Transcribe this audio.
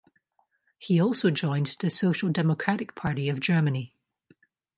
He also joined the Social Democratic Party of Germany.